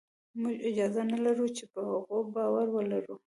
موږ اجازه نه لرو چې په هغه باور ولرو